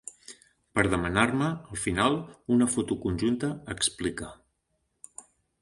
Per demanar-me, al final, una foto conjunta, explica.